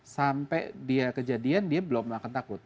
sampai dia kejadian dia belum akan takut